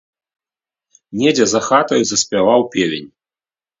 Недзе за хатаю заспяваў певень.